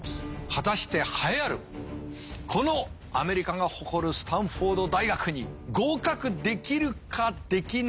果たして栄えあるこのアメリカが誇るスタンフォード大学に合格できるかできないか。